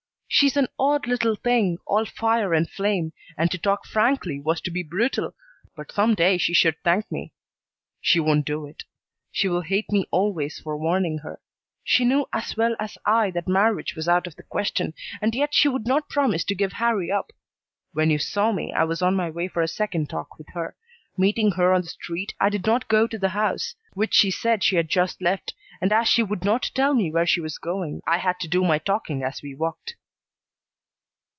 She's an odd little thing, all fire and flame, and to talk frankly was to be brutal, but some day she should thank me. She won't do it. She will hate me always for warning her. She knew as well as I that marriage was out of the question, and yet she would not promise to give Harrie up. When you saw me I was on my way for a second talk with her. Meeting her on the street, I did not go to the house, which she said she had just left, and as she would not tell me where she was going, I had to do my talking as we walked."